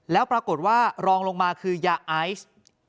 แล้วปรากฏว่ารองลงมาคือยาไอซ์